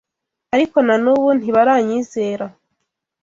ariko na n’ubu ntibaranyizera